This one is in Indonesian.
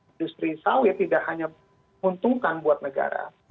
industri sawit tidak hanya menguntungkan buat negara